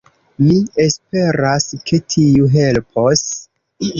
Mi esperas ke tiu helpos.